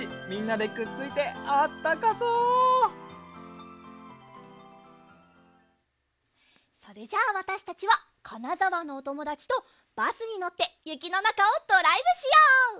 みんなでくっついてあったかそうそれじゃあわたしたちはかなざわのおともだちとバスにのってゆきのなかをドライブしよう！